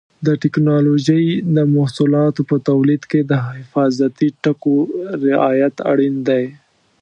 د ټېکنالوجۍ د محصولاتو په تولید کې د حفاظتي ټکو رعایت اړین دی.